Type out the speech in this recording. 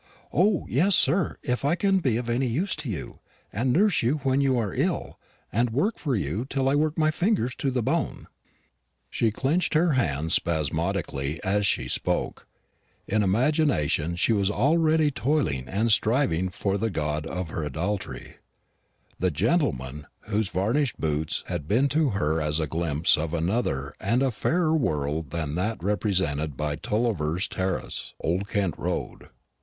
"O, yes, sir, if I can be of any use to you, and nurse you when you are ill, and work for you till I work my fingers to the bone." She clenched her hands spasmodically as she spoke. In imagination she was already toiling and striving for the god of her idolatry the GENTLEMAN whose varnished boots had been to her as a glimpse of another and a fairer world than that represented by Tulliver's terrace, Old Kent road.